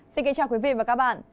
xin kính chào quý vị và các bạn